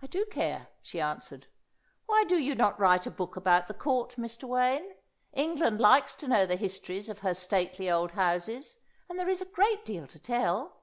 "I do care," she answered. "Why do you not write a book about the Court, Mr. Wayne? England likes to know the histories of her stately old houses, and there is a great deal to tell."